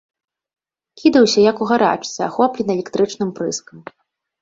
Кідаўся, як у гарачцы, ахоплены электрычным прыскам.